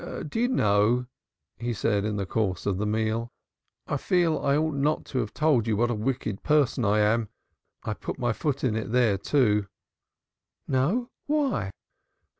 "Do you know," he said in the course of the meal, "I feel I ought not to have told you what a wicked person I am? I put my foot into it there, too." "No, why?"